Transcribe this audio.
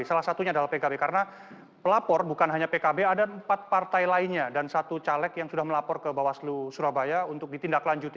salah satunya adalah pkb karena pelapor bukan hanya pkb ada empat partai lainnya dan satu caleg yang sudah melapor ke bawaslu surabaya untuk ditindaklanjuti